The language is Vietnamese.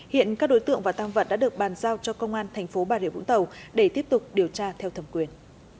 hiện các đối tượng và tăng vận đã được bàn giao cho công an tp hcm để tiếp tục điều tra theo thẩm quyền